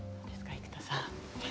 生田さん。